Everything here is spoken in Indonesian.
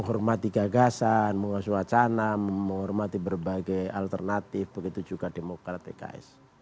menghormati gagasan mengusul wacana menghormati berbagai alternatif begitu juga demokratik guys